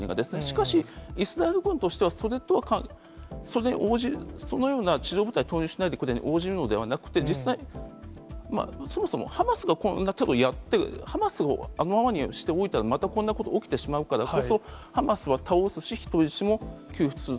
しかし、イスラエル軍としては、そのような地上部隊を投入しないでくれに応じるのではなく、実際、そもそもハマスがこのようなことをやって、ハマスをあのままにしておいたら、またこんなことが起きてしまうから、ハマスは倒す人質も救出する。